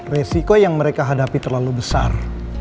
resiko yang mereka hadapi terlalu besar